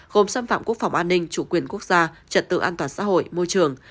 gồm xâm phạm quốc phòng an ninh chủ quyền quốc gia trật tự an toàn xã hội môi trường